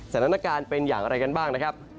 สัญลักษณะการเป็นอย่างอะไรกันบ้าง